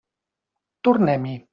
Tornem-hi.